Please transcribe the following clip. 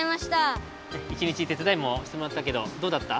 １日てつだいもしてもらったけどどうだった？